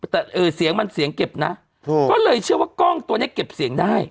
แต่เสียงมันเสียงเก็บนะก็เลยเชื่อว่ากล้องตัวนี้เก็บเสียงได้